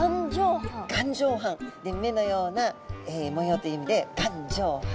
目のような模様という意味で眼状斑。